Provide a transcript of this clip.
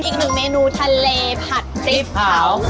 อีกหนึ่งเมนูทะเลผัดตี้เผา